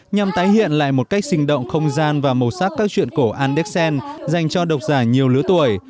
nhằm tái hiện lại một cách sinh động không gian và màu sắc các chuyện cổ anderson dành cho độc giả nhiều lứa tuổi